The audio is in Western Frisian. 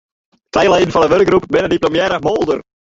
Trije leden fan de wurkgroep binne diplomearre moolder.